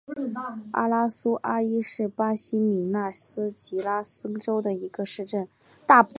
阿拉苏阿伊是巴西米纳斯吉拉斯州的一个市镇。